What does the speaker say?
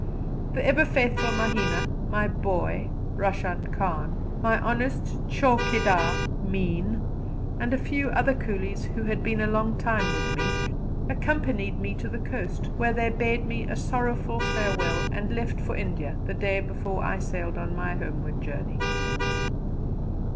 The ever faithful Mahina, my "boy" Roshan Khan, my honest chaukidar, Meeanh, and a few other coolies who had been a long time with me, accompanied me to the coast, where they bade me a sorrowful farewell and left for India the day before I sailed on my homeward journey.